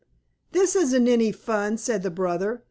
"This isn't any fun!" said the brother.